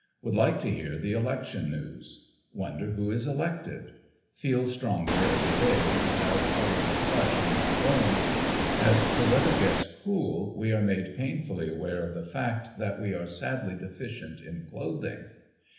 Would like to hear the election news. Wonder who is elected? Feel stronger every day, and have a little flesh on my bones. As the weather gets cool, we are made painfully aware of the fact that we are sadly deficient in clothing.